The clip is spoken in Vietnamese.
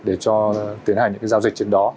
để tiến hành những giao dịch trên đó